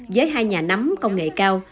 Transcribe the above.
với hai nhà nấm công nghệ cao